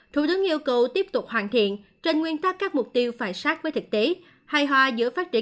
thủ tướng yêu cầu tiếp tục hoàn thiện trên nguyên tắc các mục tiêu phải sát với thực tế